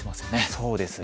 そうですね。